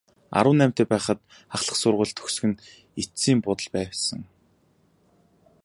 Арван наймтай байхад ахлах сургууль төгсөх нь эцсийн буудал байсан.